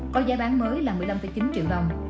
có giá bán mới là một mươi năm chín triệu đồng